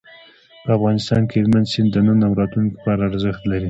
په افغانستان کې هلمند سیند د نن او راتلونکي لپاره ارزښت لري.